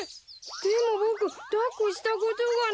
でも僕抱っこしたことがない。